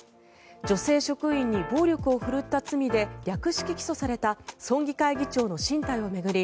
女性職員に暴力を振るった罪で略式起訴された村議会議長の進退を巡り